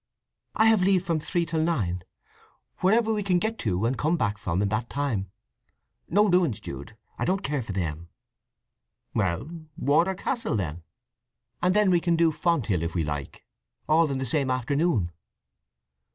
"I have leave from three till nine. Wherever we can get to and come back from in that time. Not ruins, Jude—I don't care for them." "Well—Wardour Castle. And then we can do Fonthill if we like—all in the same afternoon."